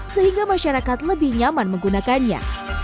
sehingga masyarakat lebih nyaman menggunakannya